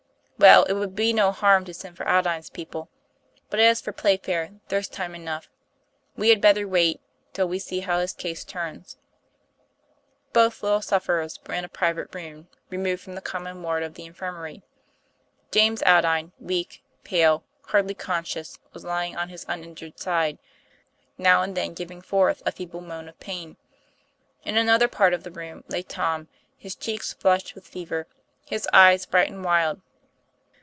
"Well, it would be no harm to send for Aldine's people; but as for Playfair, there's time enough. We had better wait till we see how his case turns." Both little sufferers were in a private room, re moved from the common ward of the infirmary. James Aldine, weak, pale, hardly conscious, was lying on his uninjured side, now and then giving forth a feeble moan of pain. In another part of the room lay Tom, his cheeks flushed with fever, his eyes bright and wild.